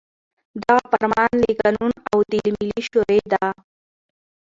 دغه فرمان له قانون او د ملي شـوري د